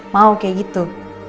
mau kayak gitu